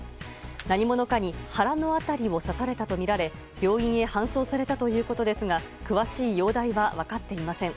何者かに腹の辺りを刺されたとみられ病院へ搬送されたということですが詳しい容体は分かっていません。